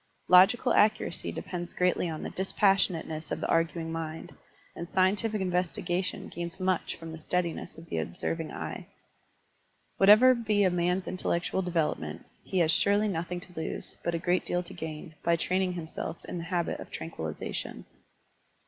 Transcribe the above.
LfOgical accuracy depends greatly on the dispas sionateness of the arguing mind, and scientific investigation gains much from the steadiness of the observing eye. Whatever be a man's intel lectual development, he has surely nothing to lose, but a great deal to gain, by training him self in the habit of tranquillization.